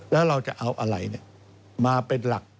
แล้วเราจะเอาอะไรมาเป็นหลัก